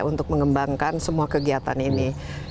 untuk mengembangkan semua kegiatan ini